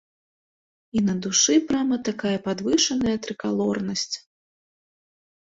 І на душы прама такая падвышаная трыкалорнасць.